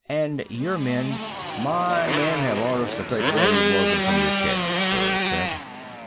And your men " "My men have orders to take a William Logan from your care," Burris said.